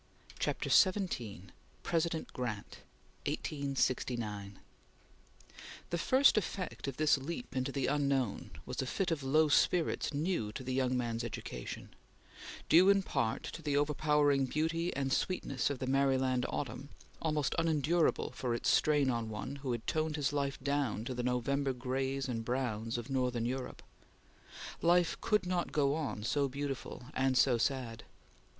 CHAPTER XVII PRESIDENT GRANT (1869) THE first effect of this leap into the unknown was a fit of low spirits new to the young man's education; due in part to the overpowering beauty and sweetness of the Maryland autumn, almost unendurable for its strain on one who had toned his life down to the November grays and browns of northern Europe. Life could not go on so beautiful and so sad.